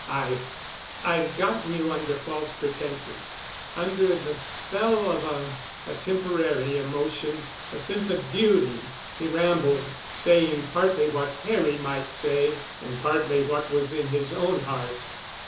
"I—I've gotten you under false pretenses—under the spell of a—a temporary emotion—a sense of duty," he rambled, saying partly what Harry might say and partly what was in his own heart.